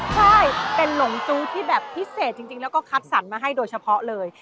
ใช่เป็นหลงจู้ที่แบบพิเศษจริงแล้วก็คัดสรรมาให้โดยเฉพาะเลย